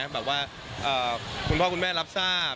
แบบว่าคุณพ่อคุณแม่รับทราบ